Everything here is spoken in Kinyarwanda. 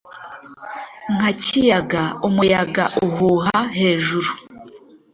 nka kiyaga umuyaga uhuha hejuru